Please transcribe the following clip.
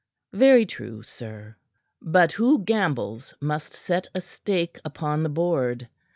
"Very true, sir. But who gambles must set a stake upon the board.